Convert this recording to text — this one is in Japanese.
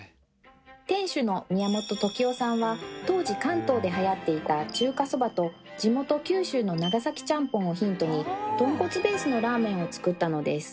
店主の宮本時男さんは当時関東ではやっていた中華そばと地元九州の長崎ちゃんぽんをヒントにとんこつベースのラーメンを作ったのです。